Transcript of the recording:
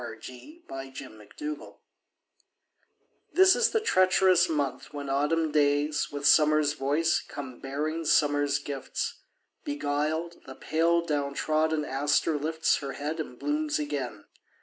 Helen Hunt Jackson November THIS is the treacherous month when autumn days With summer's voice come bearing summer's gifts. Beguiled, the pale down trodden aster lifts Her head and blooms again.